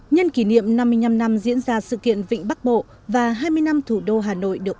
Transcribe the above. nhân kỷ niệm năm mươi năm năm diễn ra sự kiện vịnh bắc bộ và hai mươi năm thủ đô hà nội được unesco trao tặng danh hiệu thành phố vì hòa bình